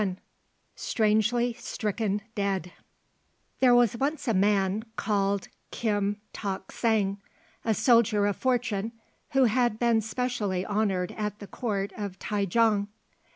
LI STRANGELY STRICKEN DEAD There was once a man called Kim Tok saing, a soldier of fortune, who had been specially honoured at the Court of Tai jong.